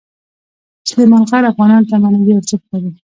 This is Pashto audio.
سلیمان غر افغانانو ته معنوي ارزښت لري.